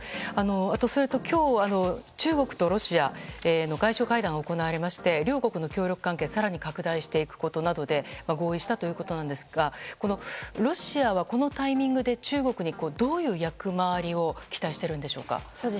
それと今日、中国とロシア外相会談が行われまして両国の協力関係が更に拡大していくと合意したということですがロシアはこのタイミングで中国にどういう役回りを期待しているんでしょうか。